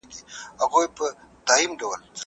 په لاس خط لیکل د روښانه او پرمختللي ژوند پیلامه ده.